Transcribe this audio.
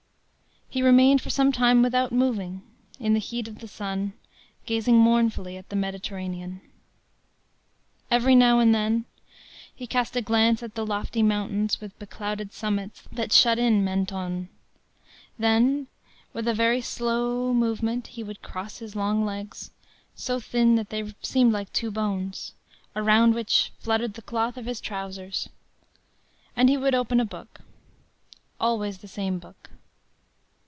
He remained for some time without moving, in the heat of the sun, gazing mournfully at the Mediterranean. Every now and then, he cast a glance at the lofty mountains with beclouded summits that shut in Mentone; then, with a very slow movement, he would cross his long legs, so thin that they seemed like two bones, around which fluttered the cloth of his trousers, and he would open a book, always the same book.